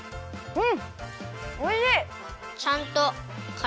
うん！